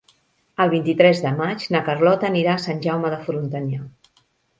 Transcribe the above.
El vint-i-tres de maig na Carlota anirà a Sant Jaume de Frontanyà.